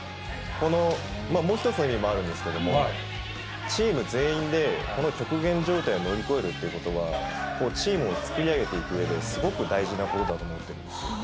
このもう一つの意味もあるんですけども、チーム全員でこの極限状態を乗り越えるってことは、チームを作り上げていくうえですごく大事なことだと思っているんです。